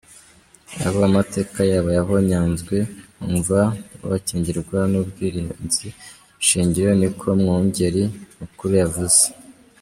Abo amateka yabo yahonyanzwe bumva bokingirwa n'ibwirizwa shingiro", niko umwungere mukuru yavuze.